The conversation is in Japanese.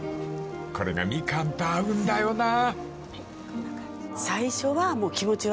これがみかんと合うんだよなあ］